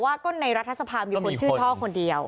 ว่าก็ในรัฐสภามีคนชื่อช่อคนเดียว